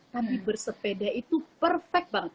kami bersepeda itu perfect banget